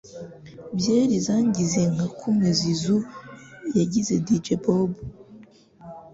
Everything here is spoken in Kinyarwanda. Byeri zangize nka kumwe Zizou yagize Dj Bob